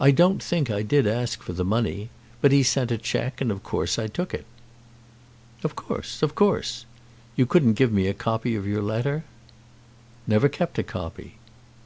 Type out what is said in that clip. I don't think I did ask for the money. But he sent a cheque, and of course I took it." "Of course; of course. You couldn't give me a copy of your letter?" "Never kept a copy."